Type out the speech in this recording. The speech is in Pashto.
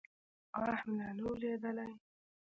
غاښ مې لا نه و لوېدلى.